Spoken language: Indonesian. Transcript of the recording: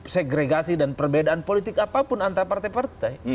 segregasi dan perbedaan politik apapun antar partai partai